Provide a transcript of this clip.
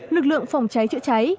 lực lượng phòng cháy chữa cháy